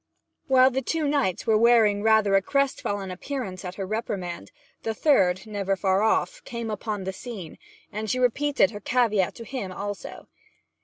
While the two knights were wearing rather a crest fallen appearance at her reprimand, the third, never far off, came upon the scene, and she repeated her caveat to him also.